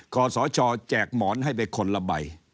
ขอสชแจกหมอนให้ไปคนละใบ